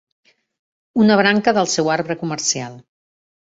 Una branca del seu arbre comercial